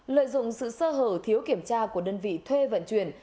lợi dụng sự sơ hở thiếu kiểm tra của đơn vị thuê vận chuyển